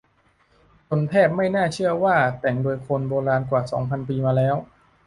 จนแทบไม่น่าเชื่อว่าแต่งโดยคนโบราณกว่าสองพันปีมาแล้ว